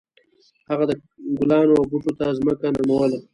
هغه د ګلانو او بوټو ته ځمکه نرموله.